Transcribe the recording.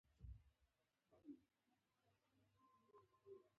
د شفتالو ډولونه سپین او ژیړ دي.